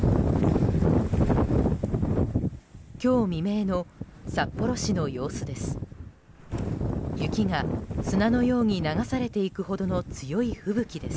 今日未明の札幌市の様子です。